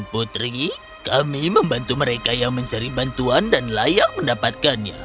putri kami membantu mereka yang mencari bantuan dan layak mendapatkannya